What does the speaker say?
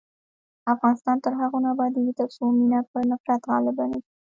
افغانستان تر هغو نه ابادیږي، ترڅو مینه پر نفرت غالبه نشي.